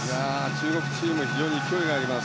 中国チーム非常に勢いがあります。